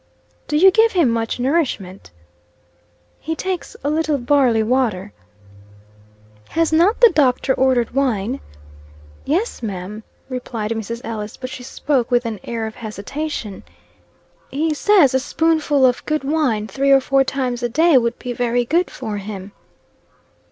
"Do you give him much nourishment?" "He takes a little barley water." "Has not the doctor ordered wine?" "Yes, ma'am," replied Mrs. Ellis, but she spoke with an air of hesitation. "He says a spoonful of good wine, three or four times a day, would be very good for him."